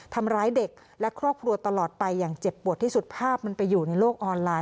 ทำร้ายเด็กและครอบครัวตลอดไปอย่างเจ็บปวดที่สุดภาพมันไปอยู่ในโลกออนไลน